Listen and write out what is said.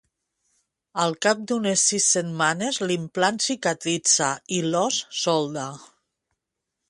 Al cap d'unes sis setmanes l'implant cicatritza i l'os solda.